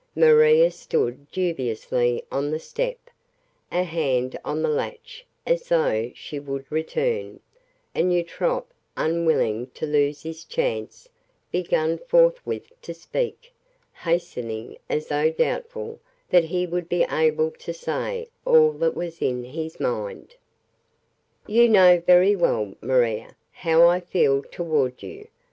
Maria stood dubiously on the step, a hand on the latch as though she would return; and Eutrope, unwilling to lose his chance, began forthwith to speak hastening as though doubtful that he would be able to say all that was in his mind. "You know very well, Maria, how I feel toward you.